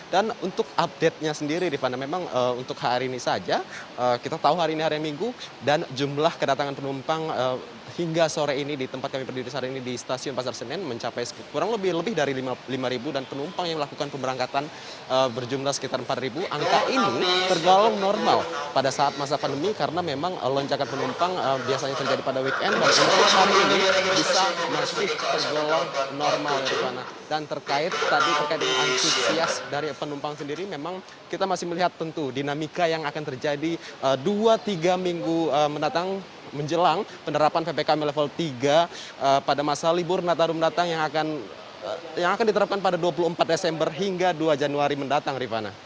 dan terkait tadi dengan antusias dari penumpang sendiri memang kita masih melihat tentu dinamika yang akan terjadi dua tiga minggu menjelang penerapan ppkm level tiga pada masa libur yang akan diterapkan pada dua puluh empat desember hingga dua januari mendatang